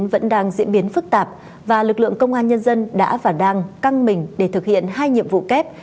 vẫn đang diễn biến phức tạp và lực lượng công an nhân dân đã và đang căng mình để thực hiện hai nhiệm vụ kép